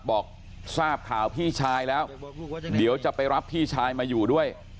บอกทราบข่าวพี่ชายแล้วเดี๋ยวจะไปรับพี่ชายมาอยู่ด้วย